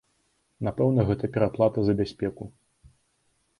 Напэўна, гэта пераплата за бяспеку.